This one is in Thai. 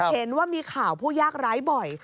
เห็นว่ามีข่าวผู้ยากร้ายบ่อย